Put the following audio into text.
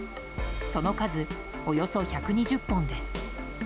その数およそ１２０本です。